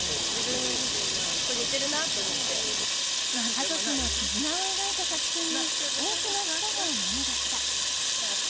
家族の絆を描いた作品に多くの人が涙した。